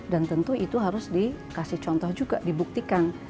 dan tentu itu harus dikasih contoh juga dibuktikan